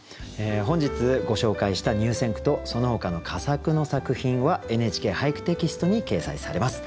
本日ご紹介した入選句とそのほかの佳作の作品は「ＮＨＫ俳句」テキストに掲載されます。